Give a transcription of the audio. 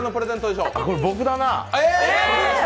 それ、僕だな。